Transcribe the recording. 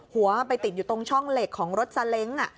หัวไปติดอยู่ตรงช่องเหล็กของรถซาเล้ง